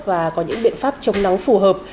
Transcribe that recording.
và có những biện pháp chống nóng phù hợp